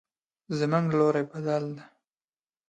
زموږ لوري بدل ده